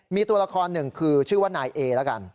มีตัวละครหนึ่งคือชื่อว่านายเอละกัน